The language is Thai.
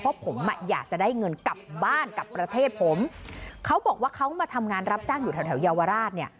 เพราะผมอ่ะอยากจะได้เงินกลับบ้านกับประเทศผมเขาบอกว่าเขามาทำงานรับจ้างอยู่แถวแถวเยาวราชเนี่ย